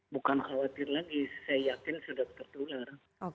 bukan khawatir lagi saya yakin sudah tertular